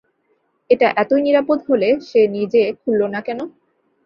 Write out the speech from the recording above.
এটা এতোই নিরাপদ হলে, সে নিজে খুললো না কেন?